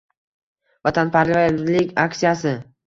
Vatanparvarlik aksiyasi